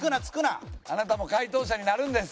あなたも解答者になるんです。